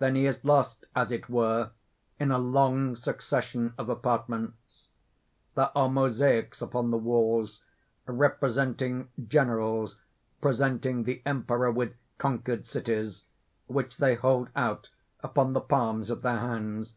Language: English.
Then he is lost, as it were, in a long succession of apartments._ _There are mosaics upon the walls representing generals presenting the Emperor with conquered cities, which they hold out upon the palms of their hands.